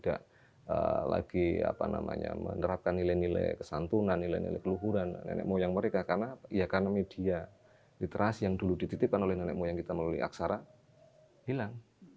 tidak lagi menerapkan nilai nilai kesantunan nilai nilai keluhuran nenek moyang mereka karena ya karena media literasi yang dulu dititipkan oleh nenek moyang kita melalui aksara hilang